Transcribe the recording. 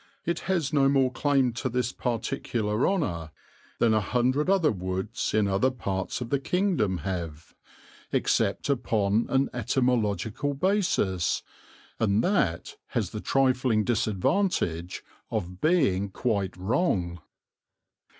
It has no more claim to this particular honour than a hundred other woods in other parts of the kingdom have, except upon an etymological basis, and that has the trifling disadvantage of being quite wrong.